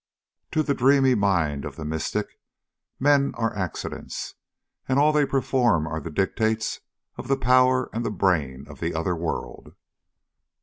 To the dreamy mind of the mystic, men are accidents, and all they perform are the dictates of the power and the brain of the other world.